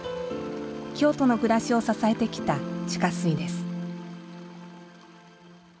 京都の暮らしを支えてきた地下水です。